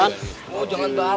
kan gue cuma disuruh doang